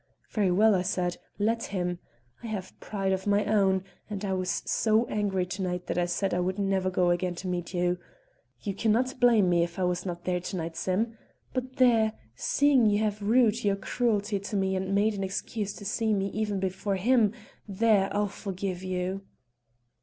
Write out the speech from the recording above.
Very well, I said: let him! I have pride of my own, and I was so angry to night that I said I would never go again to meet you. You cannot blame me if I was not there to night, Sim. But there! seeing you have rued your cruelty to me and made an excuse to see me even before him, there, I'll forgive you."